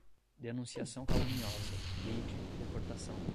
denunciação caluniosa, lide, deportação